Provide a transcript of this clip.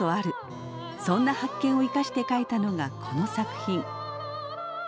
そんな発見を生かして書いたのがこの作品。